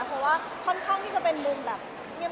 ค่อนข้างที่จะเป็นมุมเงียบ